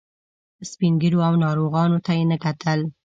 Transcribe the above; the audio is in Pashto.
سپین ږیرو او ناروغانو ته یې نه کتل.